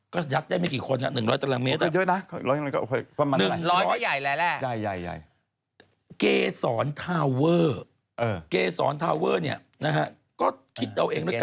ก็ยัดได้ไม่กี่คนค่ะ๑๐๐ตารางเมตร